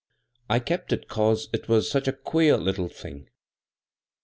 I kept it 'cause it was such a queer littie thing.